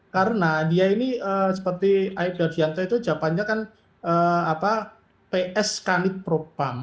karena dia ini seperti aibda dianto itu jawabannya kan ps kanit pro pam